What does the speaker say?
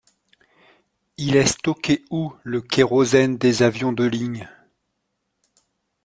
Il est stocké où le kérosène des avions de ligne?